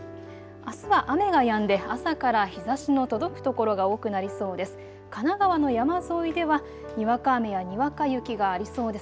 あすは雨がやんで朝から日ざしの届く所が多くなりそうです。